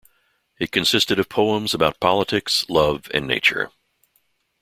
It consisted of poems about politics, love and nature.